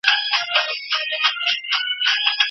ښايي دغه در سپارل سوې